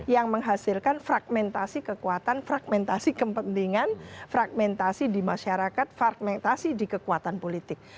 yang menghasilkan fragmentasi kekuatan fragmentasi kepentingan fragmentasi di masyarakat fragmentasi di kekuatan politik